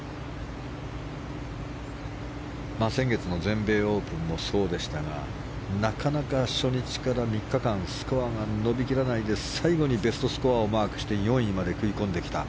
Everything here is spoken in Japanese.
先月の全米オープンもそうでしたがなかなか初日から３日間スコアが伸びきらないで最後にベストスコアをマークして４位まで食い込んできた。